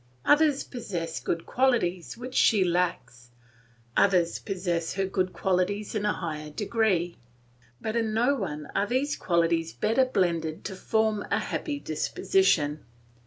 Others possess good qualities which she lacks; others possess her good qualities in a higher degree, but in no one are these qualities better blended to form a happy disposition.